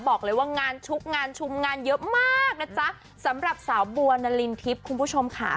บอกเลยว่างานชุกงานชุมงานเยอะมากนะจ๊ะสำหรับสาวบัวนารินทิพย์คุณผู้ชมค่ะ